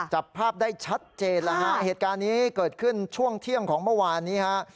จับภาพได้ชัดเจนแล้วฮะเหตุการณ์นี้เกิดขึ้นช่วงเที่ยงของเมื่อวานนี้ฮะ